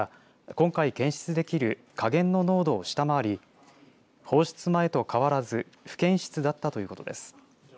今回検出できる下限の濃度を下回り放出前と変わらず不検出だったということです。